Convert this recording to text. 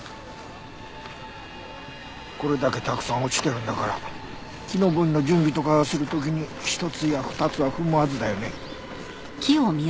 これだけたくさん落ちてるんだから木登りの準備とかする時に一つや二つは踏むはずだよね。